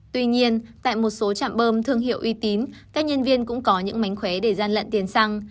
tuy nhiên tại một số chạm bơm thương hiệu uy tín các nhân viên cũng có những mánh khóe để gian lận tiền xăng